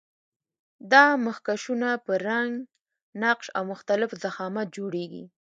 دا مخکشونه په رنګ، نقش او مختلف ضخامت جوړیږي.